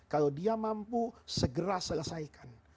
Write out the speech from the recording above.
kalau dia mampu segera selesaikan